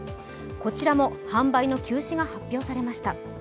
こちらも販売の休止が発表されました。